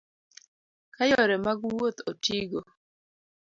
Ka yore mag wuoth otigo